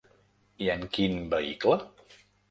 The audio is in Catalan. I en quin "veïcle"?